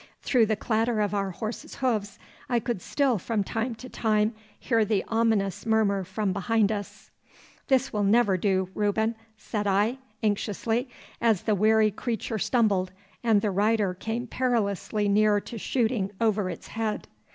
Through the clatter of our horses' hoofs I could still from time to time hear the ominous murmur from behind us. 'This will never do, Reuben,' said I anxiously, as the weary creature stumbled, and the rider came perilously near to shooting over its head.